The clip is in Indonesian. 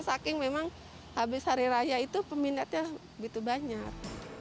saking memang habis hari raya itu peminatnya begitu banyak